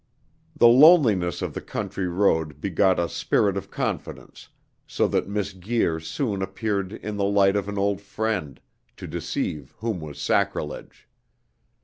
The loneliness of the country road begot a spirit of confidence, so that Miss Guir soon appeared in the light of an old friend, to deceive whom was sacrilege.